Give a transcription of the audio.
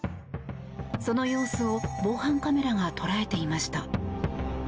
その様子を防犯カメラが捉えていました。